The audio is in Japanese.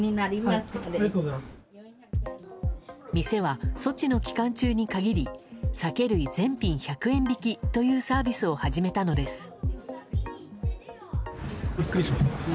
店は措置の期間中に限り酒類全品１００円引きというサービスを始めたのです。